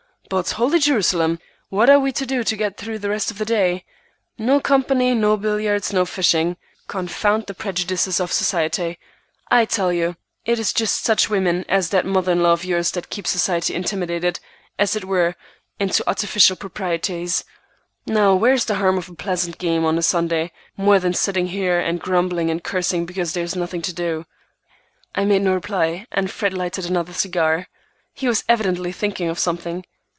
But, holy Jerusalem! what are we to do to get through the rest of the day. No company, no billiards, no fishing. Confound the prejudices of society. I tell you, it is just such women as that mother in law of yours that keep society intimidated, as it were, into artificial proprieties. Now where's the harm of a pleasant game on a Sunday, more than sitting here and grumbling and cursing because there's nothing to do?" I made no reply, and Fred lighted another cigar. He was evidently thinking of something.